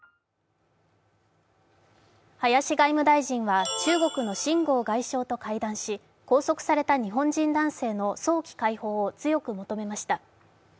林外務大臣は中国の秦剛外相と会談し拘束された日本人男性の早期解放を強く求めました。